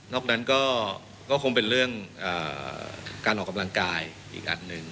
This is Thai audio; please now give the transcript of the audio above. อกนั้นก็คงเป็นเรื่องการออกกำลังกายอีกอันหนึ่ง